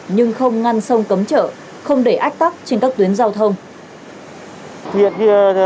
nhưng không ngăn sông cấm chở không để ách tắc trên các tuyến giao thông